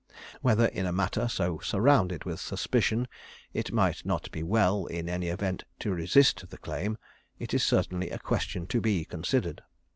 Whether in a matter so surrounded with suspicion, it might not be well, in any event, to resist the claim, is certainly a question to be considered.